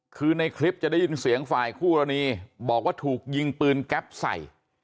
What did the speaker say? คือในคลิปจะได้ยินเสียงฝ่ายคู่กรณีบอกว่าถูกยิงปืนแก๊ปใส่